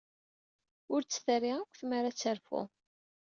Ur tt-terri akk tmara ad terfu.